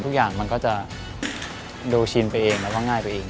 ทุกอย่างมันก็จะดูชินไปเองแล้วก็ง่ายไปเอง